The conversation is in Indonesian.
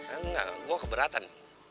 enggak gue keberatan